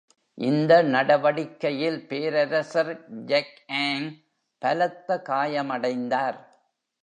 இந்த நடவடிக்கையில் பேரரசர் Jagang பலத்த காயமடைந்தார்.